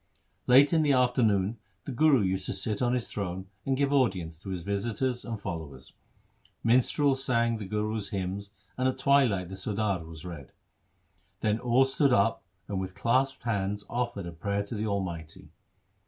Late in the afternoon the Guru used to sit on his throne, and give audience to his visitors and followers. Minstrels sang the Guru's hymns and at twilight the ' Sodar ' was read. Then all stood up and with clasped hands, offered a prayer to the Almighty.